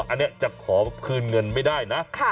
อันนี้จะขอคืนเงินไม่ได้นะ